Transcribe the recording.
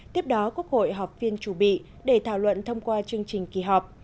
tiếp đó quốc hội họp phiên chủ bị để thảo luận thông qua chương trình kỳ họp